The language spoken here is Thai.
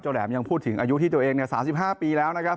เจ้าแหลมยังพูดถึงอายุที่ตัวเองเนี่ยสามสิบห้าปีแล้วนะครับ